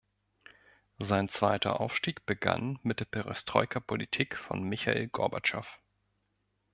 Sein zweiter Aufstieg begann mit der Perestrojka-Politik von Michail Gorbatschow.